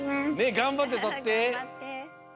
がんばってとって。